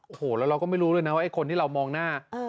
โอ้โหแล้วเราก็ไม่รู้ด้วยนะว่าไอ้คนที่เรามองหน้า